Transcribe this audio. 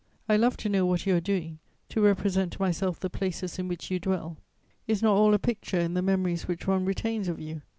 I love to know what you are doing, to represent to myself the places in which you dwell. Is not all a picture in the memories which one retains of you?